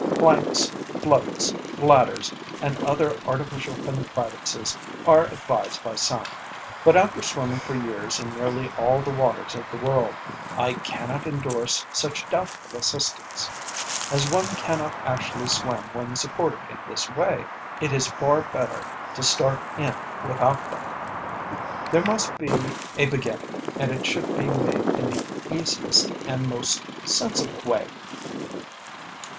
Planks, floats, bladders and other artificial contrivances are advised by some, but after swimming for years in nearly all the waters of the world, I cannot endorse such doubtful assistance. As one cannot actually swim when supported in this way, it is far better to start in without them. There must be a beginning, and it should be made in the easiest and most sensible way.